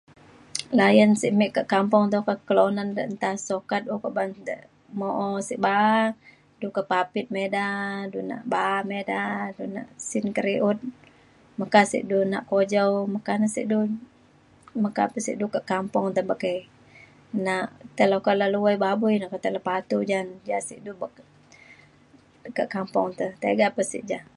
layan sek me kak kampung te oka un kelunan de nta sukat ukok ban de mo’o sek ba’a du ke papit me ida du nak ba’a me ida du nak sin keriut meka sek du nak kujau meka na sek du meka pa sek du kak kampung te bekai nak tai oka le luwai babui na ketai le patu jane ja sek du kak kampung te. tiga pa sek ja.